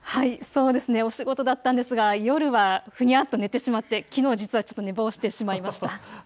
そうですねお仕事だったんですが夜はふにゃっと寝てしまってきのう実はちょっと寝坊してしまいました。